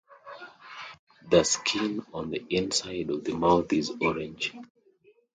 The skin on the inside of the mouth is orange.